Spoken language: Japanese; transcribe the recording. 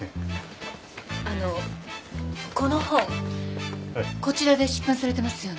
あのこの本こちらで出版されてますよね？